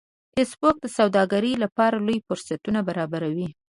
فېسبوک د سوداګرۍ لپاره لوی فرصتونه برابروي